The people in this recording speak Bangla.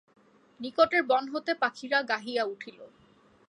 নিকটের বন হইতে পাখিরা গাহিয়া উঠিল।